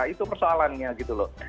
itu persoalannya gitu loh